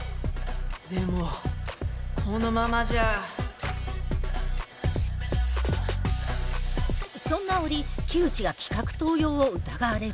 でもこのままじゃそんな折木内が企画盗用を疑われる。